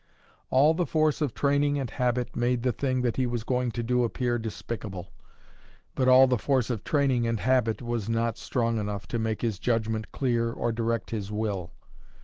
All the force of training and habit made the thing that he was going to do appear despicable; but all the force of training and habit was not strong enough to make his judgment clear or direct his will.